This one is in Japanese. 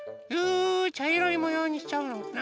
ちゃいろいもようにしちゃおうかな。